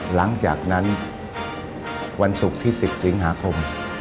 หลังจากนั้นวันศุกร์ที่๑๐สิงหาคม